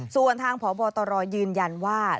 ส่วนทางพบตรยืนยันว่า